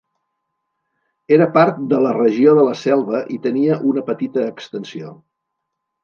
Era part de la regió de la selva i tenia una petita extensió.